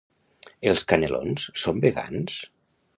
Els canelons són vegans?